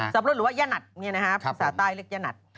สับปะรดหรือว่ายะหนัดภาษาใต้เรียกยะหนัด